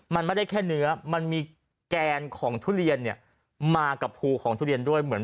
มันไม่ได้แค่เนื้อมันมีแกนของทุเรียนเนี่ยมากับภูของทุเรียนด้วยเหมือน